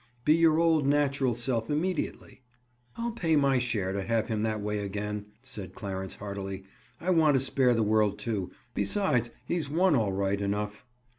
Be your old natural self immediately." "I'll pay my share to have him that way again," said Clarence heartily. "I want to spare the world too. Besides, he's won all right enough."